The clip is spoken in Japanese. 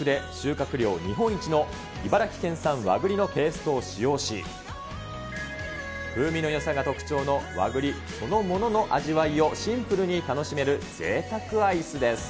１８年連続で収穫量日本一の茨城県産和栗のペーストを使用し、風味のよさが特徴の和栗そのものの味わいをシンプルに楽しめるぜいたくアイスです。